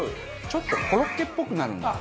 ちょっとコロッケっぽくなるんだ。